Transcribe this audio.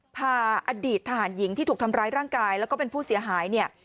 พาอดีตทหารหญิงที่ถูกทำร้ายร่างกายแล้วก็เป็นผู้เสียหายเนี่ย